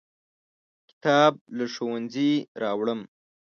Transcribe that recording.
کتاب له ښوونځي راوړم.